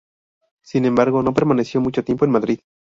Sin embargo no permaneció mucho tiempo en Madrid.